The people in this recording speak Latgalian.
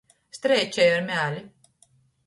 Streičej ar mēli.